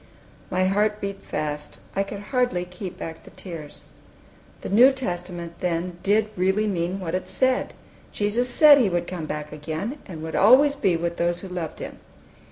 My heart beat fast. I could hardly keep back the tears. The New Testament, then, did really mean what it said! Jesus said He would come back again, and would always be with those who loved Him.